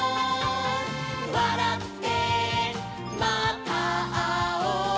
「わらってまたあおう」